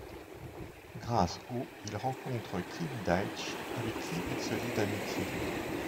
Grâce au ' il rencontre Kim Deitch avec qui il se lie d'amitié.